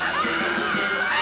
tidak tidak tidak